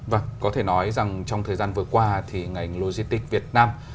vâng có thể nói rằng trong thời gian vừa qua thì ngành logistics việt nam